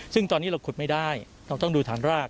ซึ่งตอนนี้เราขุดไม่ได้เราต้องดูฐานราก